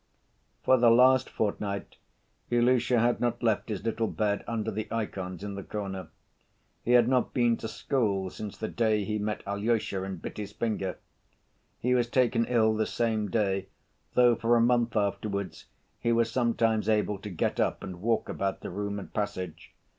For the last fortnight Ilusha had not left his little bed under the ikons in the corner. He had not been to school since the day he met Alyosha and bit his finger. He was taken ill the same day, though for a month afterwards he was sometimes able to get up and walk about the room and passage.